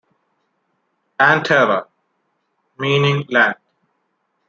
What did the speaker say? And Terra, meaning land.